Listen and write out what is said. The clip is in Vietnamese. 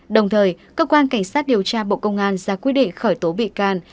đồng thời cơ quan cảnh sát điều tra bộ công an ra quyết định khởi tố bị can